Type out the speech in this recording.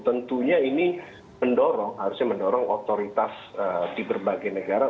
tentunya ini mendorong harusnya mendorong otoritas di berbagai negara